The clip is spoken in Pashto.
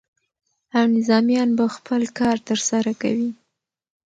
او نظامیان به خپل کار ترسره کوي.